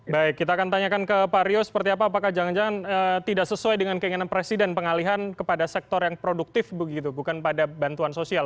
baik kita akan tanyakan ke pak rio seperti apa apakah jangan jangan tidak sesuai dengan keinginan presiden pengalihan kepada sektor yang produktif begitu bukan pada bantuan sosial